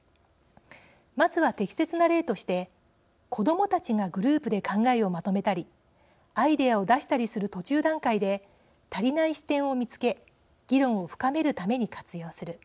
まずは適切な例として子どもたちがグループで考えをまとめたりアイデアを出したりする途中段階で足りない視点を見つけ議論を深めるために活用する。